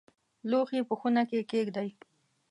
لوښي په خونه کې کښېږدئ